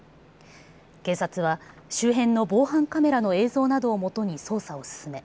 警察は周辺の防犯カメラの映像などをもとに捜査を進め